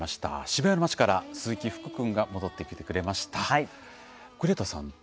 渋谷の街から鈴木福君が戻ってきてくれました。